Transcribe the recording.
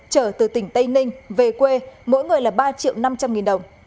trở từ tỉnh tây ninh về quê mỗi người là ba triệu năm trăm linh nghìn đồng